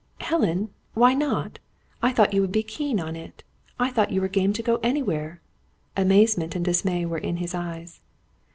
"Helen! Why not? I thought you would be keen on it. I thought you were game to go anywhere!" Amazement and dismay were in his eyes.